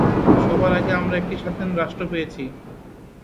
সবার আগে আমরা একটি স্বাধীন রাষ্ট্র পেয়েছি।